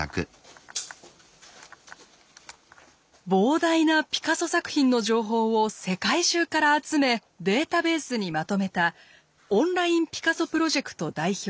膨大なピカソ作品の情報を世界中から集めデータベースにまとめたオンラインピカソプロジェクト代表